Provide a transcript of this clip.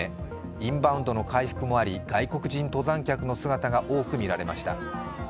インバウンドの回復もあり外国人登山客の姿が多く見られました。